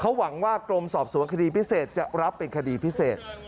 หวังว่ากรมสอบสวนคดีพิเศษจะรับเป็นคดีพิเศษ